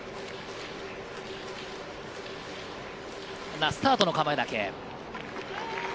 今、スタートの構えだけ。